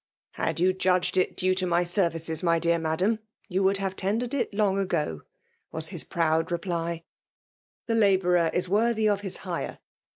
" Had you judge4. it due to my services^ my dear M{m1s^» ypu would have tendered it long ago/' was his proud reply. " The labourer is worthy of his hire.